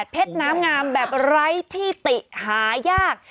เพชรน้ำงามแบบไล่ที่ติหายาก